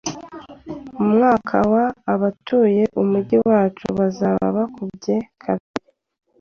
Mu mwaka wa , abatuye umujyi wacu bazaba bakubye kabiri